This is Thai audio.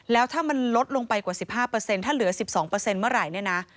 แล้วถ้ามันลดลงไปกว่า๑๕ถ้าเหลือ๑๒เมื่อไหร่เนี่ยนะ